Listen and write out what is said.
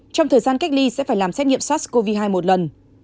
trong thời gian cách ly sẽ phải làm xét nghiệm sars cov hai một lần